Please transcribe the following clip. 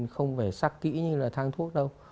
không phải sắc kỹ như là thang thuốc đâu